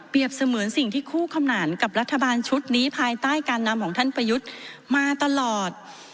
เสมือนสิ่งที่คู่ขนานกับรัฐบาลชุดนี้ภายใต้การนำของท่านประยุทธ์มาตลอด